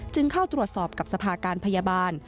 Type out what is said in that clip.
เข้าตรวจสอบกับสภาการพยาบาล